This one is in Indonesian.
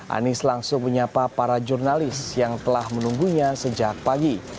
anies langsung menyapa para jurnalis yang telah menunggunya sejak pagi